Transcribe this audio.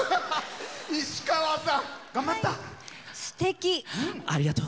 石川さん、頑張った。